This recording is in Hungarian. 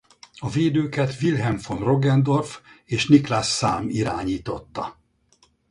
A védőket Wilhelm von Roggendorf és Niklas Salm irányította.